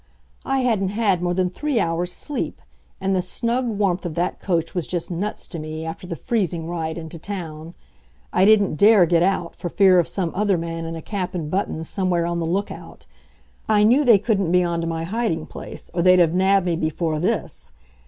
I hadn't had more than three hours' sleep, and the snug warmth of that coach was just nuts to me, after the freezing ride into town. I didn't dare get out for fear of some other man in a cap and buttons somewhere on the lookout. I knew they couldn't be on to my hiding place or they'd have nabbed me before this.